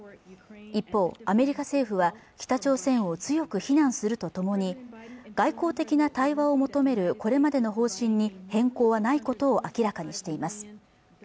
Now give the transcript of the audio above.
一方アメリカ政府は北朝鮮を強く非難するとともに外交的な対話を求めるこれまでの方針に変更はないことを明らかにしています